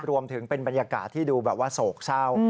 รวมถึงเป็นบรรยากาศที่ดูแบบว่าโศกเศร้า